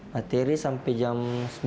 materi sampai jam sembilan